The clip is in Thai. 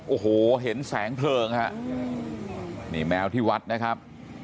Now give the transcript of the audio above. โอ้โหเห็นแสงเพลิงฮะนี่แมวที่วัดนะครับ